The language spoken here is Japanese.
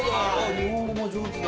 日本語も上手だ。